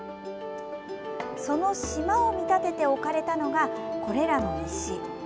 その島を見立てて置かれたのがこれらの石。